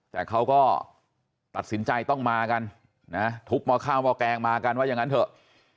แต่เขาก็ตัดสินใจต้องมากันนะทุบหม้อข้าวหม้อแกงมากันว่าอย่างนั้นเถอะ